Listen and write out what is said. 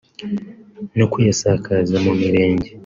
no kuyasakaza mu Mirenge